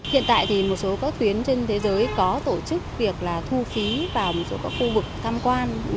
hiện tại thì một số các tuyến trên thế giới có tổ chức việc là thu phí vào một số các khu vực tham quan